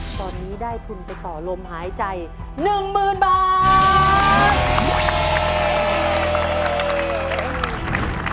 ตอนนี้ได้ทุนไปต่อลมหายใจ๑๐๐๐บาท